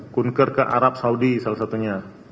kunker ke arab saudi salah satunya